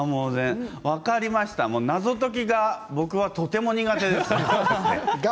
分かりました謎解きが僕、とても苦手です。